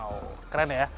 wow keren ya